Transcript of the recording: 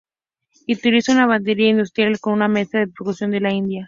Utiliza una batería inusual con una mezcla de percusión de la India.